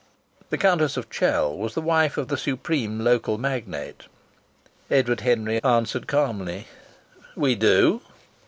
The Countess of Chell was the wife of the supreme local magnate. Edward Henry answered calmly, "We do."